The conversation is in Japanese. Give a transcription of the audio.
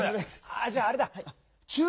あじゃああれだ。